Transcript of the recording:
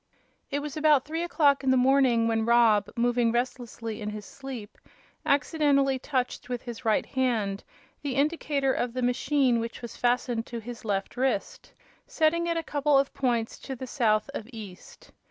It was about three o'clock in the morning when Rob, moving restlessly in his sleep, accidently touched with his right hand the indicator of the machine which was fastened to his left wrist, setting it a couple of points to the south of east.